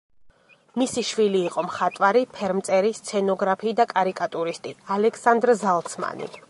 მისი შვილი იყო მხატვარი, ფერმწერი, სცენოგრაფი და კარიკატურისტი ალექსანდრ ზალცმანი.